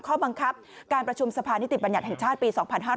ข้อบังคับการประชุมสภานิติบัญญัติแห่งชาติปี๒๕๕๙